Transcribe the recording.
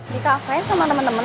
di cafe sama temen temen